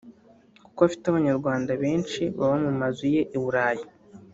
kuko afite abanyarwanda benshi baba mu mazu ye i Burayi